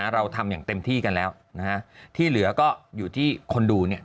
เราทำอย่างเต็มที่กันแล้วที่เหลือก็อยู่ที่คนดูเนี่ย